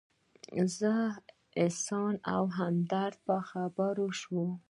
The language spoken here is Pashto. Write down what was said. زه، احسان او همدرد په خبرو شولو.